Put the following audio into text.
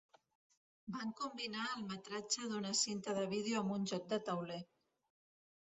Van combinar el metratge d'una cinta de vídeo amb un joc de tauler.